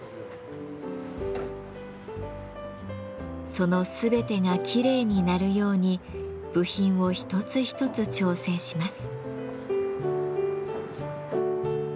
その全てがきれいに鳴るように部品を一つ一つ調整します。